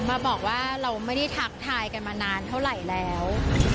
มาบอกว่าเราไม่ได้ทักทายกันมานานเท่าไหร่แล้ว